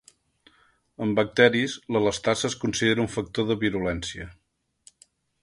En bacteris, l'elastasa es considera un factor de virulència.